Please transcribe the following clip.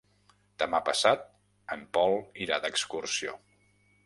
Demà passat en Pol irà d'excursió.